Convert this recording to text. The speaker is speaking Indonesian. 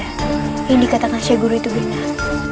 yang dikatakan sheikh guru itu benar